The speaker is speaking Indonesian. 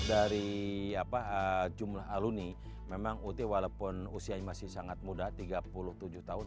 dari jumlah aluni memang ut walaupun usianya masih sangat muda tiga puluh tujuh tahun